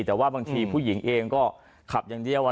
แต่ว่าบางทีผู้หญิงเองก็ขับอย่างเดียว